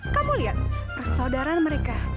kamu lihat persaudaraan mereka